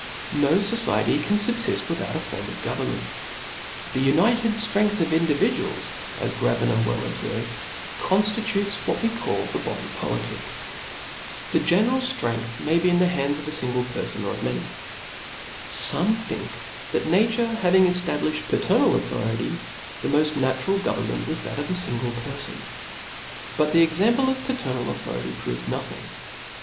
No fociety can fubfift with^ out a form of government, ^he united ftrengtb of individuals^ as Gravina well obferves, conjiitutes what we call the body politic. The general ftrerigth may be in the hands 6f a fingle perfon, or of many. Some think that na ture having eftablifhed paternal authority, the moft natural government was that of a fingle perfon^ But the example of paternal authority proves no thing.